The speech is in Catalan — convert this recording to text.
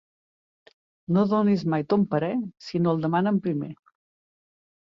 No donis mai ton parer si no el demanen primer.